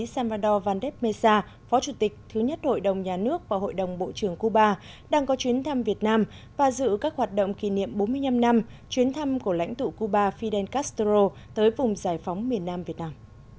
salvador valdép mesa phó chủ tịch thứ nhất hội đồng nhà nước và hội đồng bộ trưởng cuba đang có chuyến thăm việt nam và giữ các hoạt động kỷ niệm bốn mươi năm năm chuyến thăm của lãnh tụ cuba fidel castro tới vùng giải phóng miền nam việt nam